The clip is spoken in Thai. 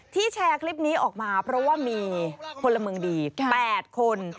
แชร์คลิปนี้ออกมาเพราะว่ามีพลเมืองดี๘คน